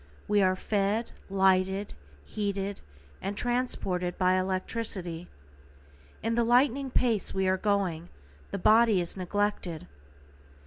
We are fed, lighted, heated, and transported by electricity. In the lightning pace we are going, the body is neglected.